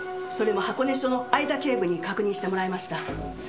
それも箱根署の会田警部に確認してもらいました。